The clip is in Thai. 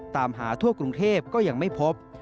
ตามหาทั่วกรุงเทพก็ยังไม่พบ